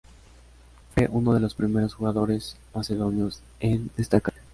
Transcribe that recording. Fue uno de los primeros jugadores macedonios en destacar.